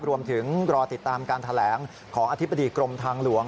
รอติดตามการแถลงของอธิบดีกรมทางหลวง